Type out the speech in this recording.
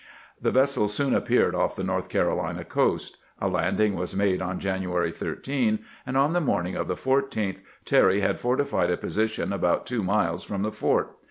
The vessels soon appeared off the North Carolina coast. A landing was made on January 13, and on the morn ing of the 14th Terry had fortified a position about two miles from the fort.